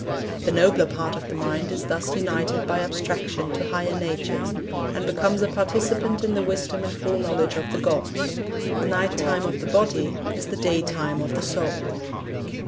The nobler part of the mind is thus united by abstraction to higher natures, and becomes a participant in the wisdom and foreknowledge of the gods. ... The night time of the body is the day time of the soul.'